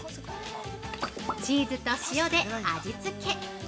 チーズと塩で味つけ！